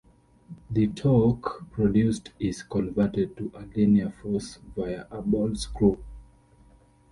The torque produced is converted to a linear force via a ball screw.